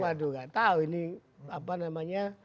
waduh nggak tahu ini apa namanya